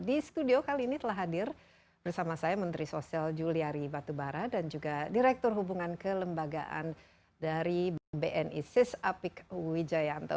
di studio kali ini telah hadir bersama saya menteri sosial juliari batubara dan juga direktur hubungan kelembagaan dari bank bni sis apik wijayanto